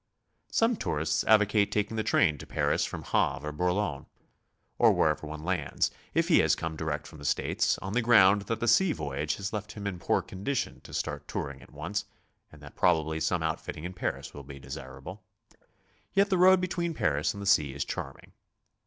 Some tourists advo\:ate taking the train to Paris from io8 GOING ABROAD? Havre or Boulogne, or wherever one lands, if he has come direct from the States, on the ground tha,t the sea voyage has left him in poor condition to start touring at once, and that probably some outfitting in Paris will be desirable. Yet the road between Paris and the sea is charming.